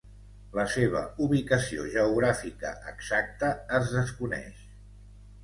La seva ubicació geogràfica exacta es desconeix.